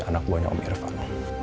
anak buahnya om irfan